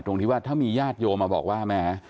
ที่ว่าถ้ามีญาติโยมมาบอกว่าแหม